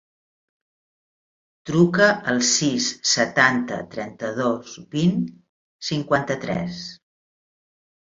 Truca al sis, setanta, trenta-dos, vint, cinquanta-tres.